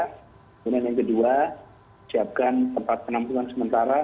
kemudian yang kedua siapkan tempat penampungan sementara